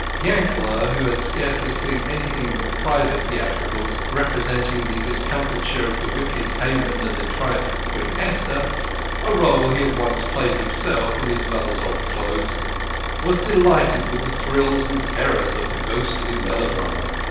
Yankel, who had scarcely seen anything but private theatricals, representing the discomfiture of the wicked Haman and the triumph of Queen Esther (a role he had once played himself, in his mother's old clothes), was delighted with the thrills and terrors of the ghostly melo drama.